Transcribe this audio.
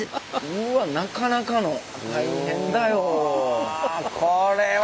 うわなかなかの大変だよ。